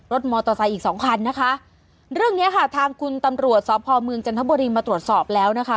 มอเตอร์ไซค์อีกสองคันนะคะเรื่องเนี้ยค่ะทางคุณตำรวจสพเมืองจันทบุรีมาตรวจสอบแล้วนะคะ